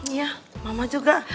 iya mama juga